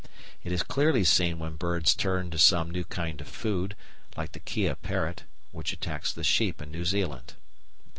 It is clearly seen when birds turn to some new kind of food, like the Kea parrot, which attacks the sheep in New Zealand.